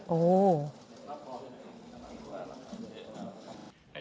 โอ้ว